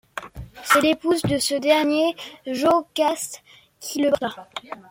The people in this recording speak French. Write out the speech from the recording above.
C'est l'épouse de ce dernier, Jocaste qui le porta.